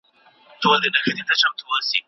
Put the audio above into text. نه مېلې سته نه سازونه نه جشنونه